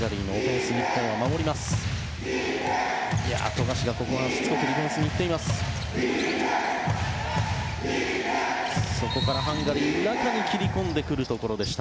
富樫がしつこくディフェンスにいっています。